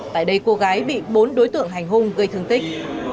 tại đây cô gái bị bốn đối tượng hành hung gây thương tích